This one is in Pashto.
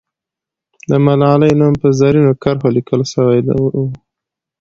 د ملالۍ نوم په زرینو کرښو لیکل سوی وو.